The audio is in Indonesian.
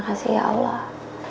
terima kasih ya allah